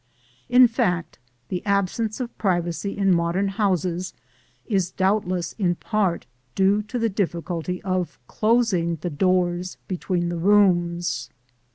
In fact, the absence of privacy in modern houses is doubtless in part due to the difficulty of closing the doors between the rooms.